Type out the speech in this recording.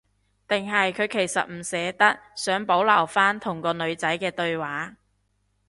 定係佢其實唔捨得，想保留返同個女仔嘅對話